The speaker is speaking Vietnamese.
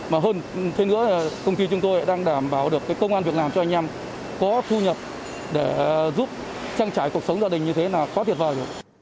mà hơn thế nữa là công ty chúng tôi đang đảm bảo được cái công an việc làm cho anh em có thu nhập để giúp trang trải cuộc sống gia đình như thế là quá tuyệt vời rồi